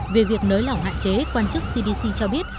về việc nới lỏng hạn chế quan chức cdc cho biết